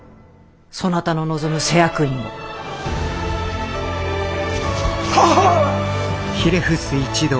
そなたの望む施薬院を。ははぁ！